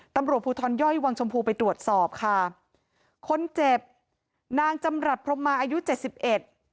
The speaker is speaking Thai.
ตำรวจภูทรย่อยวังชมพูไปตรวจสอบค่ะคนเจ็บนางจำรัฐพรมมาอายุเจ็ดสิบเอ็ด